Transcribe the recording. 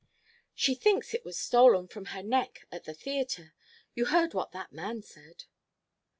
"She thinks it was stolen from her neck at the theater you heard what that man said."